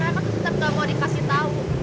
mereka tetep gak mau dikasih tau